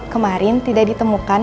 kemarin tidak ditemukan